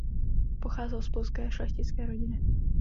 Pocházel z polské šlechtické rodiny.